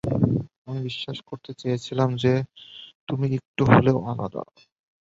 আমি বিশ্বাস করতে চেয়েছিলাম যে, তুমি একটু হলেও আলাদা।